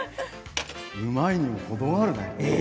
うまいにもほどがあるね